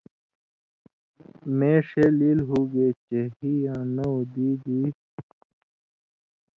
مے ݜے لیل ہُوگے چےۡ ہی یاں نؤں دی دی